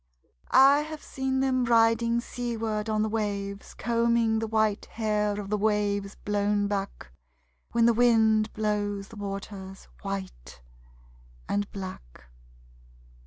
I have seen them riding seaward on the waves Combing the white hair of the waves blown back When the wind blows the water white and black.